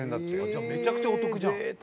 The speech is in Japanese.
じゃあめちゃくちゃお得じゃん。